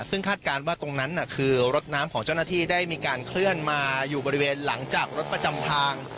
ซึ่งคาดการณ์ว่าตรงนั้นคือรถน้ำของเจ้าหน้าที่ได้มีการเคลื่อนมาอยู่บริเวณหลังจากรถประจำทาง